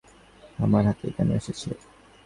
জানি না এটা আমার হাতেই কেন এসেছে।